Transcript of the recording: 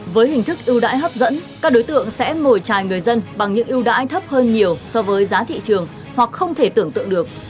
với hình thức ưu đãi hấp dẫn các đối tượng sẽ mồi trài người dân bằng những ưu đãi thấp hơn nhiều so với giá thị trường hoặc không thể tưởng tượng được